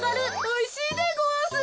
おいしいでごわす。